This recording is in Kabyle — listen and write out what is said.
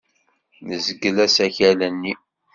Nezgel asakal-nni.